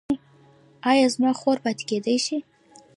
ایا زما خور پاتې کیدی شي؟